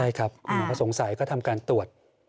ใช่ครับคุณหมอก็สงสัยก็ทำการตรวจ